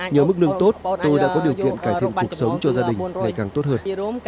nhờ mức lương tốt tôi đã có điều kiện cải thiện cuộc sống cho gia đình ngày càng tốt hơn